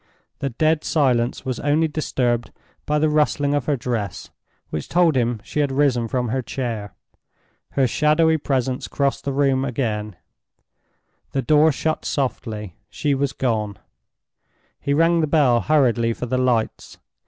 The dead silence was only disturbed by the rustling of her dress, which told him she had risen from her chair. Her shadowy presence crossed the room again; the door shut softly; she was gone. He rang the bell hurriedly for the lights.